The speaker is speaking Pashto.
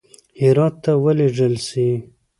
هرات ته ولېږل سي.